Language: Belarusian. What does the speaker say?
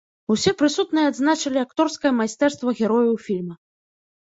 Усе прысутныя адзначылі акторскае майстэрства герояў фільма.